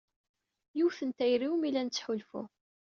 Yiwet n tayri umi la nettḥulfu.